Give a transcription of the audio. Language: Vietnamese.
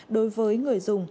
đối với người dùng